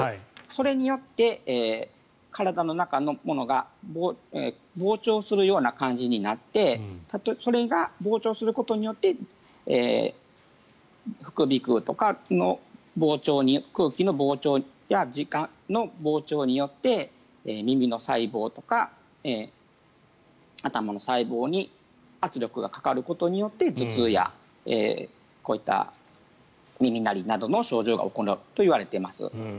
それによって体の中のものが膨張するような感じになってそれが膨張することによって副鼻腔とか、空気の膨張や耳下の膨張によって耳の細胞とか頭の細胞に圧力がかかることによって頭痛やこういった耳鳴りなどの症状が起こるといわれています。